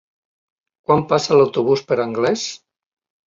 Quan passa l'autobús per Anglès?